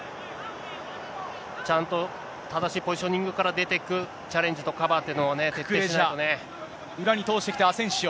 ちゃんと正しいポジショニングから出ていく、チャレンジとカバー裏に通してきたアセンシオ。